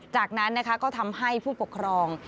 จากนั้นนะคะก็ทำให้ผู้ปกครอง